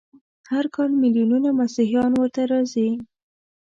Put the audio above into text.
هر کال ملیونونه مسیحیان ورته راځي.